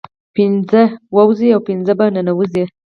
پنځه ووزي او پنځه په ننوزي